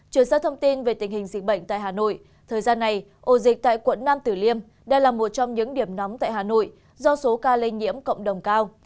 chuyển sang thông tin về tình hình dịch bệnh tại hà nội thời gian này ổ dịch tại quận nam tử liêm đây là một trong những điểm nóng tại hà nội do số ca lây nhiễm cộng đồng cao